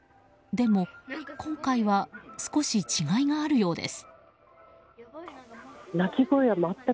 でも、今回は少し違いがあるようです。